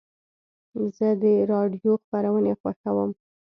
زه د راډیو خپرونې خوښوم.